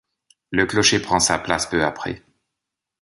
Le clocher prend sa place peu après.